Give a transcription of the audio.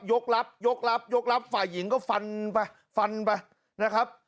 รับยกรับยกรับฝ่ายหญิงก็ฟันไปฟันไปนะครับ